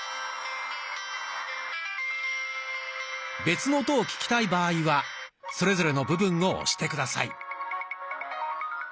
別の音を聞きたい場合はそれぞれの部分を押して下さい。